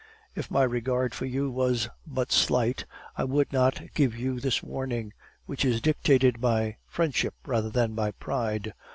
If my regard for you was but slight, I would not give you this warning, which is dictated by friendship rather than by pride.